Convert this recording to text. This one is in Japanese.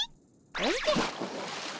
おじゃっ。